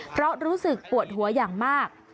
เพราะรู้สึกปวดหัวอย่างมาก